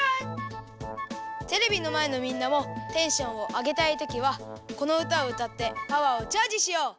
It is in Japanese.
テレビのまえのみんなもテンションをあげたいときはこのうたをうたってパワーをチャージしよう。